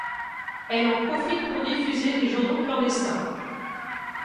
Elle en profite pour diffuser des journaux clandestins.